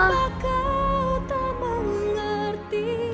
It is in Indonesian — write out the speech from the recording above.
kenapa kau tak mengerti